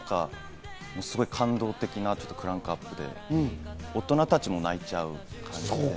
感動的なクランクアップで大人たちも泣いちゃう。